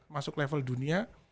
masuk level dunia